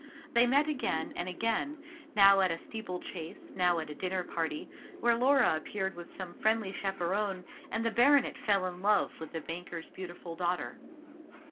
They met again and again; now at a steeple chase, now at a dinner party, where Laura appeared with some friendly chaperon; and the baronet fell in love with the banker's beautiful daughter.